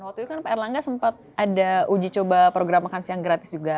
waktu itu kan pak erlangga sempat ada uji coba program makan siang gratis juga